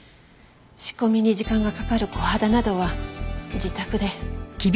仕込みに時間がかかるコハダなどは自宅で。